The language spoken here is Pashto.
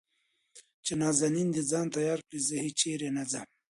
چې نازنين د ځان تيار کړي زه هېچېرې نه ځم .